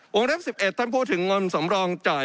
เล็บ๑๑ท่านพูดถึงเงินสำรองจ่าย